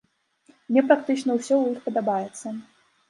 Мне практычна ўсё ў іх падабаецца.